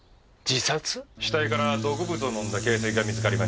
死体から毒物を飲んだ形跡が見つかりました。